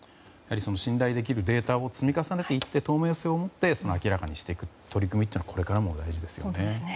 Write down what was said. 信頼できるデータを積み重ねていって透明性をもって明らかにしていく取り組みというのはこれからも大事ですよね。